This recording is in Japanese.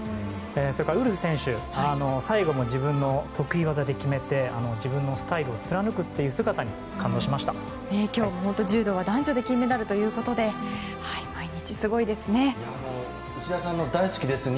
それからウルフ選手最後も自分の得意技で決めて自分のスタイルを貫くという姿に今日も柔道は男女共に金メダルということで毎日すごいですね。